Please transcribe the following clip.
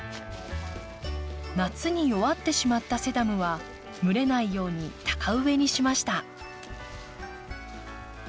夏に弱ってしまったセダムは蒸れないように高植えにしました。